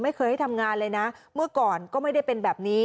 ไม่เคยให้ทำงานเลยนะเมื่อก่อนก็ไม่ได้เป็นแบบนี้